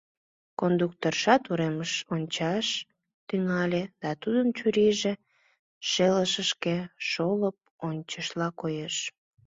Кондукторшат уремыш ончаш тӱҥале, да тудын чурийже шелшышке шолып ончышыла коеш.